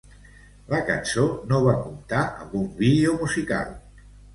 La cançó no va comptar amb un vídeo musical.